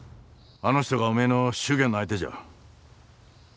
あの人がおめえの祝言の相手じゃ。